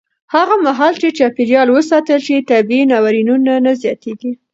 هغه مهال چې چاپېریال وساتل شي، طبیعي ناورینونه نه زیاتېږي.